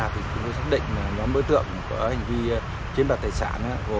thì chúng tôi xác định nhóm đối tượng của hành vi trên bạc tài sản gồm ba lữ hai nam